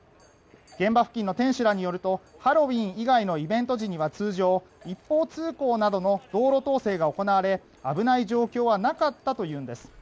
現場付近の店主らによるとハロウィーン以外のイベント時には通常、一方通行などの道路統制が行われ危ない状況はなかったというんです。